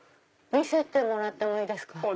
見せてもらってもいいですか？